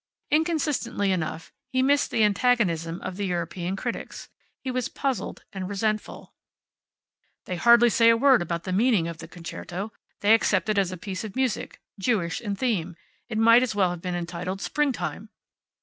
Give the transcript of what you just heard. Inconsistently enough, he missed the antagonism of the European critics. He was puzzled and resentful. "They hardly say a word about the meaning of the concerto. They accept it as a piece of music, Jewish in theme. It might as well be entitled Springtime."